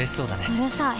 うるさい。